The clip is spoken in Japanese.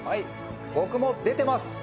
僕も出てます